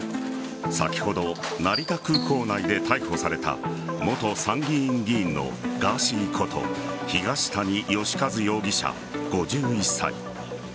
先ほど、成田空港内で逮捕された元参議院議員のガーシーこと東谷義和容疑者５１歳。